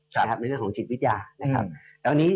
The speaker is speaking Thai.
ในเรื่องของจิตวิทยานะครับ